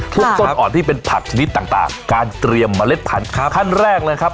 ต้นอ่อนที่เป็นผักชนิดต่างการเตรียมเมล็ดพันธุ์ขั้นแรกเลยครับ